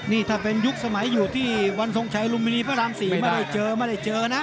นี่ถ้าเป็นยุคสมัยอยู่ที่วันทรงชัยอลุมินีพระราม๔มาได้เจอนะ